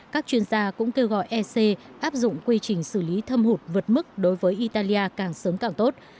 các chuyên gia cũng kêu gọi ec áp dụng quy trình xử lý thâm hụt vượt mức đối với italia càng sớm càng tốt